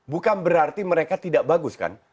bukan berarti mereka tidak bagus kan